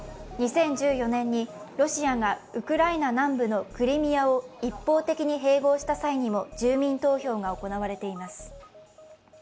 ２０１４年にロシアがウクライナ南部のクリミアを一方的に併合した際にも住民投票が行われています。